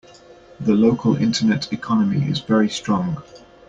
The local internet economy is very strong.